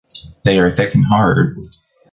They are thick and hard.